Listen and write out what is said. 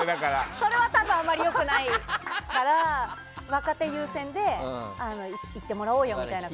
それは多分あまり良くないから若手優先で行ってもらおうよとなれば。